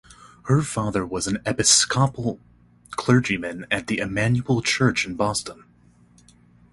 Her father was an Episcopal clergyman at the Emmanuel Church in Boston.